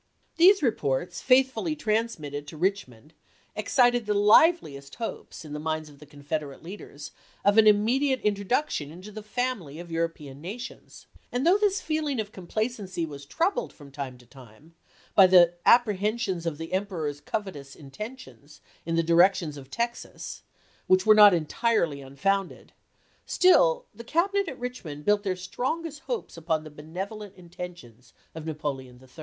These reports faithfully transmitted to Rich mond, excited the liveliest hopes, in the minds "Annual Cyclopae dia," 1863, p. 419. 268 ABKAHAM LINCOLN CHAP.x. of the Confederate leaders, of an immediate intro duction into the family of European nations ; and though this feeling of complacency was troubled from time to time by apprehensions of the Em peror's covetous intentions in the direction of Texas/ which were not entirely unfounded, still the cabinet at Richmond built their strongest hopes upon the benevolent intentions of Napoleon III.